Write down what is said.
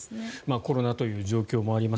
コロナという状況もあります。